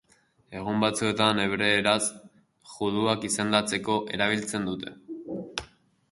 Egun batzuetan hebreeraz juduak izendatzeko erabiltzen dute.